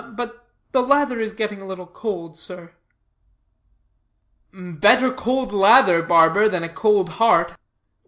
But the lather is getting a little cold, sir." "Better cold lather, barber, than a cold heart.